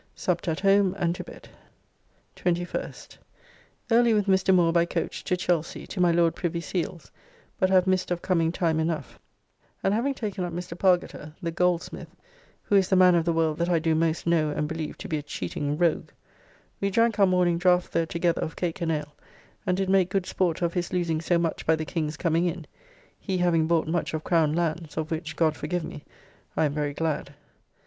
Supped at home and to bed. 21st. Early with Mr. Moore by coach to Chelsy, to my Lord Privy Seal's, but have missed of coming time enough; and having taken up Mr. Pargiter, the goldsmith (who is the man of the world that I do most know and believe to be a cheating rogue), we drank our morning draft there together of cake and ale, and did make good sport of his losing so much by the King's coming in, he having bought much of Crown lands, of which, God forgive me! I am very glad.